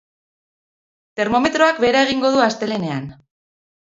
Termometroak behera egingo du astelehenean.